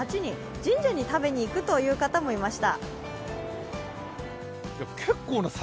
神社に食べにいくという人もいました。